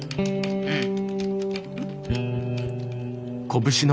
うん。